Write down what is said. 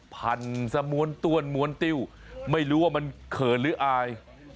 พันสม้วนต้วนม้วนติ้วไม่รู้ว่ามันเขินหรืออาย